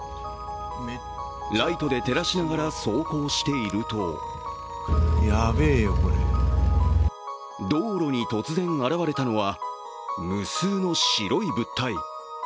ライトで照らしながら走行していると道路に突然現れたのは無数の白い物体。